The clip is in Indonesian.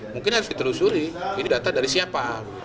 mungkin harus ditelusuri ini data dari siapa